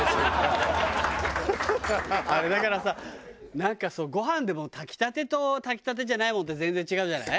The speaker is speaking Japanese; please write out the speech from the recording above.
あれだからさなんかそうご飯でも炊きたてと炊きたてじゃないものって全然違うじゃない？